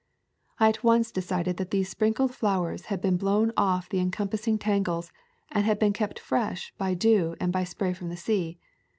I at once decided that these sprinkled flow ers had been blown off the encompassing tangles and had been kept fresh by dew and by spray from the sea.